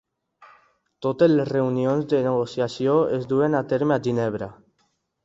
Totes les reunions de negociació es duen a terme a Ginebra.